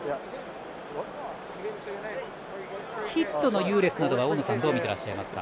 ヒットの優劣などは大野さんどう見ていますか。